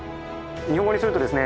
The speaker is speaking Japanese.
日本語にするとですね